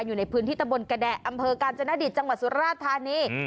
อยู่ในพื้นที่ตะบนกระแดะอำเภอกาญจนดิตจังหวัดสุราธานี